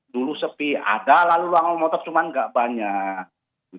dulu sepi ada lalu ruang motor cuman nggak banyak